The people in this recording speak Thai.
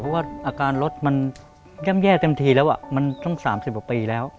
เพราะว่าอาการรถมันย่ำแย่เต็มทีแล้วมันต้อง๓๐กว่าปีแล้ว